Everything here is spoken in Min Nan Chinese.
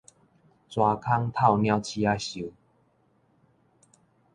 蛇空透鳥鼠仔岫